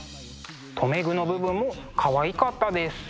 留め具の部分もかわいかったです。